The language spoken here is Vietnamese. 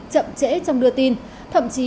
chậm trễ trong đưa tin thậm chí